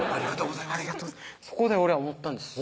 そこで俺は思ったんです